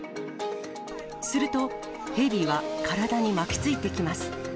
すると、ヘビは体に巻きついてきます。